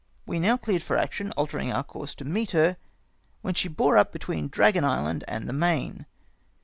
We now cleared for action, altering our course to meet her, when she bore up between Dragon Island and the Main.